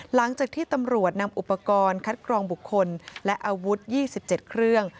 หลังจากที่ตำรวจนำอุปกรณ์คัดกรองบุคคลและอาวุธ๒๗เครื่อง